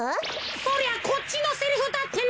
そりゃこっちのセリフだっての！